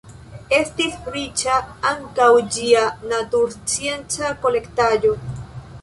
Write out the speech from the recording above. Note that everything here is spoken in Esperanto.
Estis riĉa ankaŭ ĝia naturscienca kolektaĵo.